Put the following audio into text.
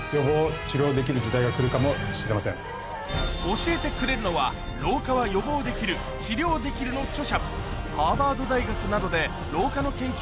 教えてくれるのは『老化は予防できる、治療できる』の著者